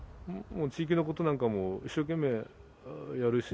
もう地域のことなんかも一生懸命やるし。